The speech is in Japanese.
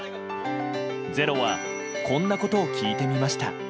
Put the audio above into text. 「ｚｅｒｏ」はこんなことを聞いてみました。